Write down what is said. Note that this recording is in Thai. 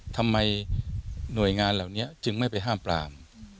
ทำไมหน่วยงานเหล่านี้จึงไม่ไปห้ามปราม